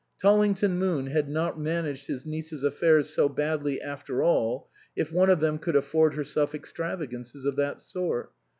Tollington Moon had not managed his nieces' affairs so badly after all if one of them could afford herself extravagances of that sort.